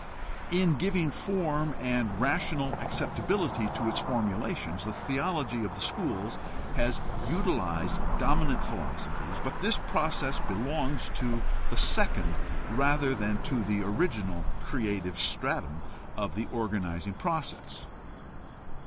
In giving form and rational acceptability to its formulations the theology of the schools has utilized dominant philosophies, but this process belongs to the second rather than to the original and creative stratum of the organizing process.